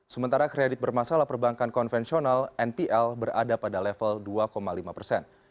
sementara kredit bermasalah perbankan konvensional npl berada pada level dua lima persen